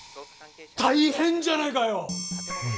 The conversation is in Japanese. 大変じゃないかよ！